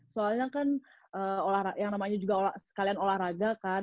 soalnya kan yang namanya sekalian olahraga kan